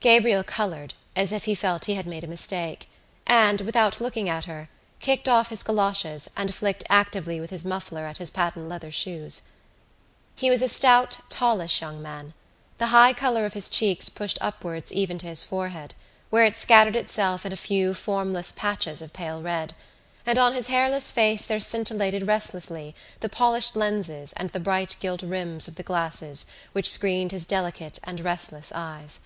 Gabriel coloured as if he felt he had made a mistake and, without looking at her, kicked off his goloshes and flicked actively with his muffler at his patent leather shoes. He was a stout tallish young man. The high colour of his cheeks pushed upwards even to his forehead where it scattered itself in a few formless patches of pale red; and on his hairless face there scintillated restlessly the polished lenses and the bright gilt rims of the glasses which screened his delicate and restless eyes.